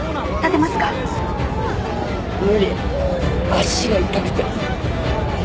無理足が痛くて。